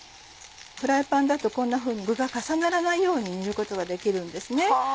フライパンだとこんなふうに具が重ならないように煮ることができるんですね。